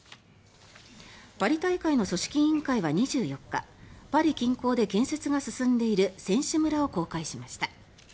パリ大会の組織委員会は２４日パリ近郊で建設が進んでいる選手村を公開しました。